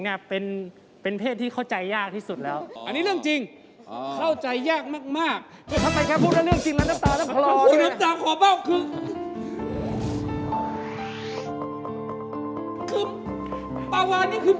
คือปลาก์วานี่คือปราชน์ของผม